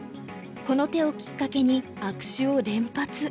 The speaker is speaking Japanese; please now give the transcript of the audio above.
この手をきっかけに悪手を連発。